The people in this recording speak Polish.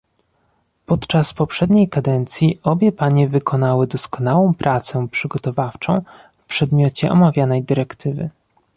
Podczas poprzedniej kadencji obie panie wykonały doskonałą pracę przygotowawczą w przedmiocie omawianej dyrektywy